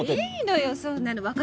いいのよそんなの。